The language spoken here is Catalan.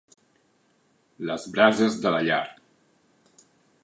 Les brases de la llar.